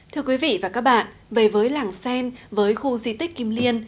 thưa quý vị và các bạn về với làng sen với khu di tích kim liên